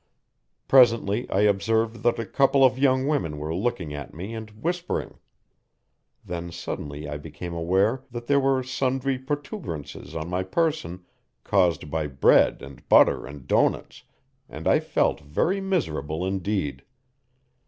Presently I observed that a couple of young women were looking at me and whispering. Then suddenly I became aware that there were sundry protuberances on my person caused by bread and butter and doughnuts, and I felt very miserable indeed.